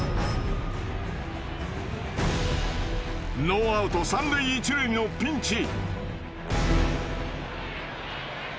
ノーアウト３塁１塁のピンチ。